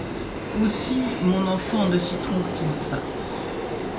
Aussi mon enfant ne s’y trompe-t-il pas.